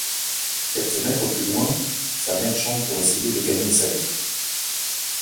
Quelques mètres plus loin, sa mère chante pour essayer de gagner sa vie.